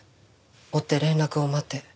「追って連絡を待て。